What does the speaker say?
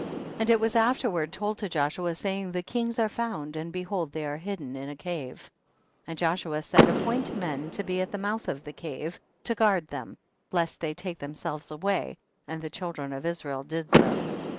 25. And it was afterward told to Joshua, saying, the kings are found and behold they are hidden in a cave. 26. And Joshua said, appoint men to be at the mouth of the cave, to guard them, lest they take them selves away ; and the children of Is rael did so.